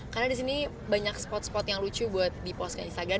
karena di sini banyak spot spot yang lucu buat dipost ke instagram